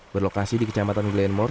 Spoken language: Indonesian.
berlokasi di kecamatan glenmore